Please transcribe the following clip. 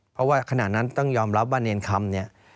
เพราะว่าขณะนั้นต้องยอมรับว่าเนรคำเนี่ย